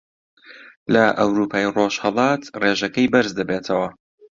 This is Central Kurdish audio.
لە ئەورووپای ڕۆژهەڵات ڕێژەکەی بەرز دەبێتەوە